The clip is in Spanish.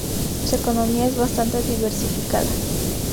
Su economía es bastante diversificada.